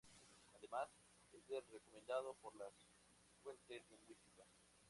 Además, es el recomendado por las fuentes lingüísticas.